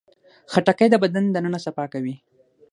خټکی د بدن دننه صفا کوي.